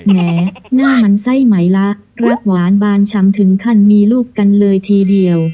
แม้หน้ามันไส้ไหมละรักหวานบานชำถึงขั้นมีลูกกันเลยทีเดียว